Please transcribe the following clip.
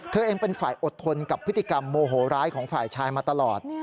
เธอเองเป็นฝ่ายอดทนกับพฤติกรรมโมโหร้ายของฝ่ายชายมาตลอด